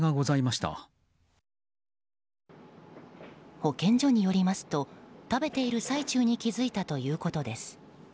保健所によりますと食べている最中に気づいたということです。